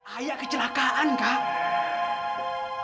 ayah kecelakaan kak